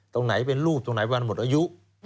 ตรงไหนเป็นรูปตรงไหนเป็นอายุ